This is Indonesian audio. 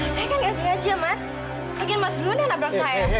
saya kan gak sengaja mas